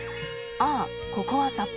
ああここは札幌。